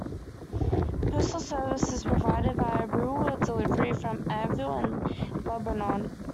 Postal service is provided via rural delivery from Annville and Lebanon.